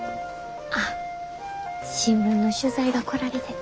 あっ新聞の取材が来られてて。